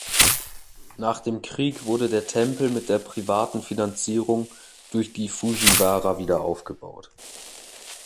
Nach dem Krieg wurde der Tempel mit der privaten Finanzierung durch die Fujiwara wiederaufgebaut.